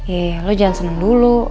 iya lo jangan senang dulu